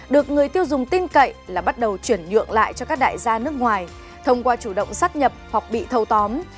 được người tiêu dùng tin cậy là bắt đầu chuyển nhượng lại cho các đại gia nước ngoài thông qua chủ động sát nhập hoặc bị thâu tóm